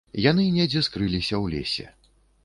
Яны недзе скрыліся ў лесе.